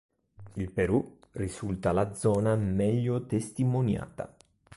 Il Perù risulta la zona meglio testimoniata.